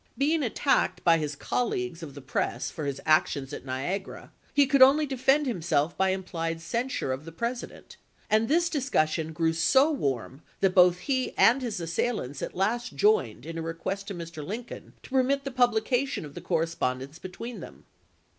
Being attacked by his colleagues of the press for his action at Niagara, he could only defend himself by implied censure of the Presi dent, and the discussion grew so warm that both he and his assailants at last joined in a request to Mr. Lincoln to permit the publication of the cor respondence between them.